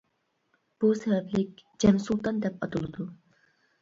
بۇ سەۋەبلىك جەم سۇلتان دەپ ئاتىلىدۇ.